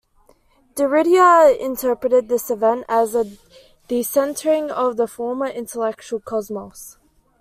Derrida interpreted this event as a "decentering" of the former intellectual cosmos.